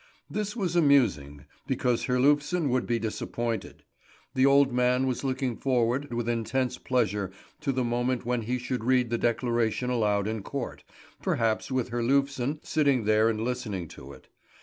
This was amusing, because Herlufsen would be disappointed. The old man was looking forward with intense pleasure to the moment when he should read the declaration aloud in court, perhaps with Herlufsen sitting there and listening to it.